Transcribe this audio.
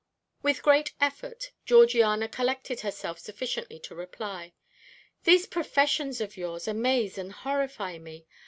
With great effort, Georgiana collected herself sufficiently to reply: "These professions of yours amaze and horrify me.